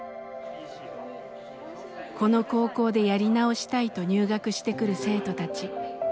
この高校でやり直したいと入学してくる生徒たち。